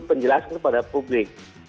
penjelasan kepada publik